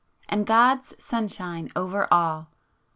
—and God's sunshine over all!